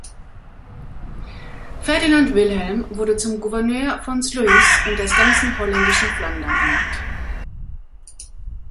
Ferdinand Wilhelm wurde zum Gouverneur von Sluis und des ganzen holländischen Flandern ernannt.